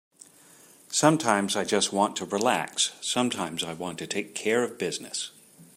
Sometimes I just want to relax, sometimes I want to take care of business.